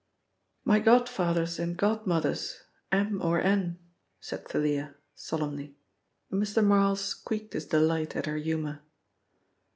"My godfathers and godmothers, M. or N." said Thalia solemnly, and Mr. Marl squeaked his delight at her humour.